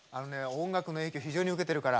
音楽の影響を非常に受けてるから。